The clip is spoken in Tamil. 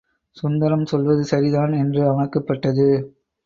சுந்தரம் சொல்வது சரிதான் என்று அவனுக்குப் பட்டது.